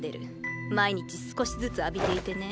毎日少しずつ浴びていてね。